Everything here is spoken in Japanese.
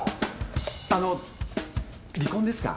あの離婚ですか？